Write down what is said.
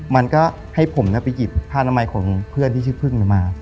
มันก็ให้ผมไปหยิบผ้านามัยของเพื่อนที่ชื่อพึ่งมา